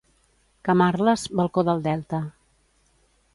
Camarles, balcó del Delta.